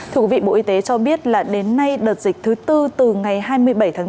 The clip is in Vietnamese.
thưa quý vị bộ y tế cho biết là đến nay đợt dịch thứ tư từ ngày hai mươi bảy tháng bốn